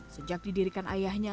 sejak didirikan ayahnya